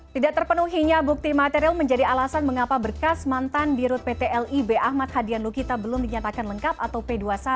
tidak terpenuhinya bukti material menjadi alasan mengapa berkas mantan dirut pt lib ahmad hadian lukita belum dinyatakan lengkap atau p dua puluh satu